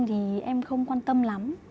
thì em không quan tâm lắm